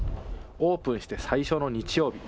オープンして最初の日曜日。